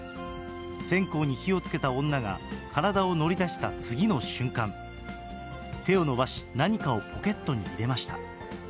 線香に火をつけた女が、体を乗り出した次の瞬間、手を伸ばし、何かをポケットに入れました。